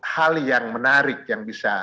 hal yang menarik yang bisa